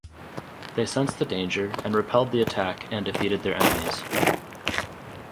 They sense the danger and repelled the attack and defeated their enemies.